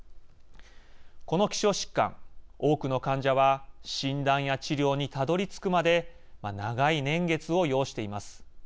この希少疾患、多くの患者は診断や治療にたどり着くまで長い年月を要しています。